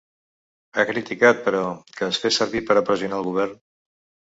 Ha criticat però, que es fes servir per a pressionar el govern.